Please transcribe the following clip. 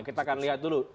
kita akan lihat dulu